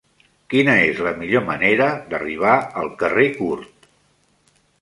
Quina és la millor manera d'arribar al carrer Curt?